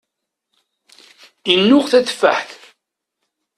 Innuɣ tatefaḥt.